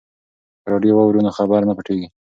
که راډیو واورو نو خبر نه پټیږي.